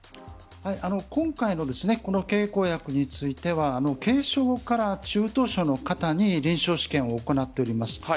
今回の経口薬については軽症から中等症の方に臨床試験を行っております。